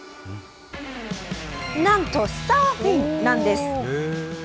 なんとサーフィンなんです。